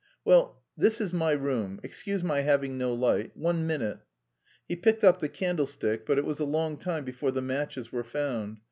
Well, this is my room. Excuse my having no light... One minute!" He picked up the candlestick but it was a long time before the matches were found.